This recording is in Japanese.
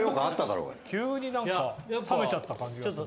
急になんか冷めちゃった感じが。